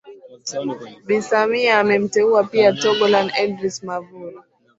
Bi Samia amemteua pia Togolan Edrisss Mavura